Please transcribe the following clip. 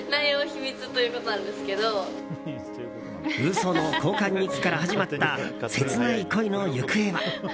嘘の交換日記から始まった切ない恋の行方は？